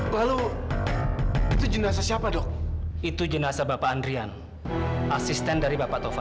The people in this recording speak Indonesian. lalu itu jenazah siapa dok itu jenazah bapak andrian asisten dari bapak tova